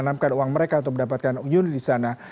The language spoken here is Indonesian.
menanamkan uang mereka untuk mendapatkan unit di sana